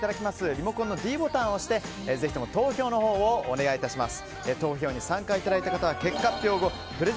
リモコンのｄボタンを押してぜひとも投票をお願いします。